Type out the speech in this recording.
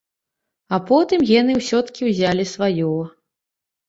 А потым гены ўсё-ткі ўзялі сваё.